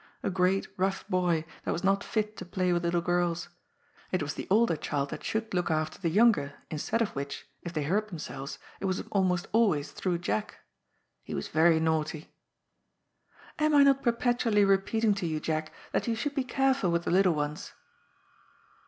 A great, rough boy, that was not fit to play with little girls. It was the older child that should look after the younger, instead of which, if they hurt themselves, it was almost always through Jack. He was very naughty. '^ Am I not perpetually repeating to you, Jack, that you should be careful with the little ones